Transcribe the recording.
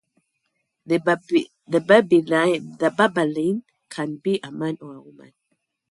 The babaylan can be a man or a woman.